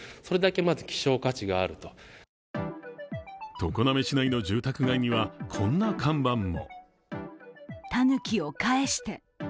常滑市内の住宅街にはこんな看板も。